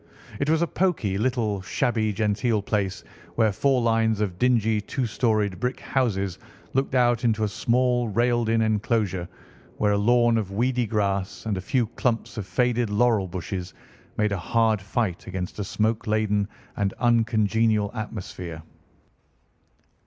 It was a poky, little, shabby genteel place, where four lines of dingy two storied brick houses looked out into a small railed in enclosure, where a lawn of weedy grass and a few clumps of faded laurel bushes made a hard fight against a smoke laden and uncongenial atmosphere.